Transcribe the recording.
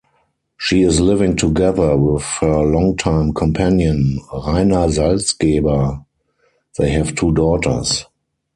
She is living together with her longtime companion Rainer Salzgeber; they have two daughters.